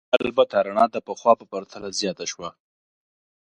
البته رڼا د پخوا په پرتله زیاته شوه.